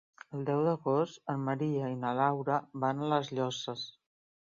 El deu d'agost en Maria i na Laura van a les Llosses.